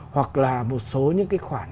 hoặc là một số những cái khoản